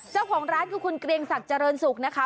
เจ้าของร้านคือคุณเกรียงศักดิ์เจริญสุขนะคะ